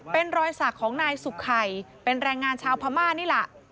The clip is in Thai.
เป็นรอยสักของนายสุขไข่เป็นแรงงานชาวพม่านี่แหละ